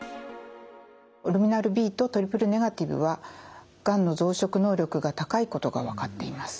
ルミナルＢとトリプルネガティブはがんの増殖能力が高いことが分かっています。